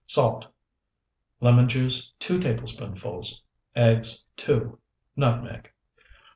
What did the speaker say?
Salt. Lemon juice, 2 tablespoonfuls. Eggs, 2. Nutmeg.